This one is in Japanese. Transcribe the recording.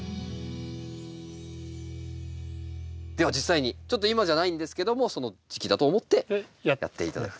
では実際にちょっと今じゃないんですけどもその時期だと思ってやって頂きたいと思います。